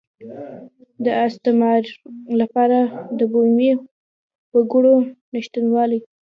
د استثمار لپاره د بومي وګړو نشتوالی.